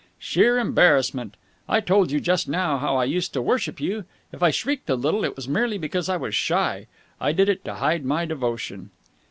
"Sheer embarrassment! I told you just now how I used to worship you. If I shrieked a little, it was merely because I was shy. I did it to hide my devotion."